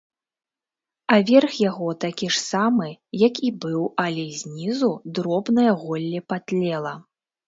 А верх яго такі ж самы, як і быў, але знізу дробнае голле патлела.